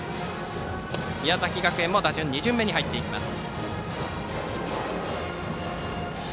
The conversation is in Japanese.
宮崎学園も打順は２巡目に入ります。